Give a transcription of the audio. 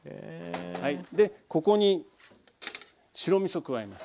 ここに白みそ加えます。